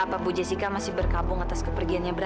apapun jessica masih berkabung atas kepergiannya brian